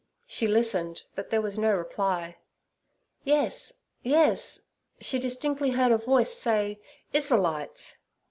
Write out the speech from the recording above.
She listened, but there was no reply. Yes, yes; she distinctly heard a voice say 'Israelites.'